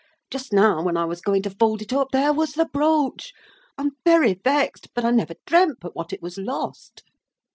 Just now, when I was going to fold it up, there was the brooch! I'm very vexed, but I never dreamt but what it was lost!"